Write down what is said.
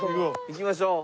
行きましょう。